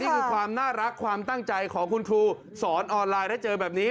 นี่คือความน่ารักความตั้งใจของคุณครูสอนออนไลน์แล้วเจอแบบนี้